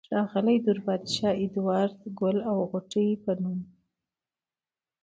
ښاغلي دور بادشاه ادوار د " ګل او غوټۍ" پۀ نوم